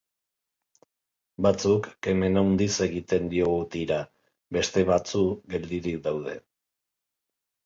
Batzuk kemen handiz egiten diogu tira, beste batzu geldirik daude.